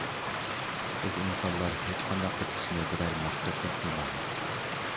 بىز ئىنسانلار ھېچ قانداق بىر ئىشنى بىرەر مەقسەتسىز قىلمايمىز.